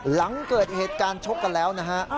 หลังเกิดเหตุการณ์ชกกันแล้วนะฮะ